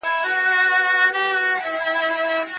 روبوټونه د سمندر په تل کې د تېلو د پایپونو معاینه کوي.